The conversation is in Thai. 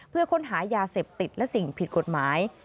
เพื่อค้นหายาเสพติดและสิ่งผิดกฎหมาย